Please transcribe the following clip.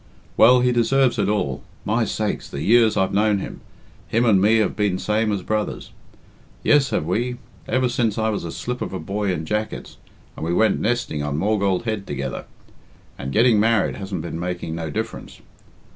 "Well, he deserves it all. My sakes, the years I've known him! Him and me have been same as brothers. Yes, have we, ever since I was a slip of a boy in jackets, and we went nesting on Maughold Head together. And getting married hasn't been making no difference.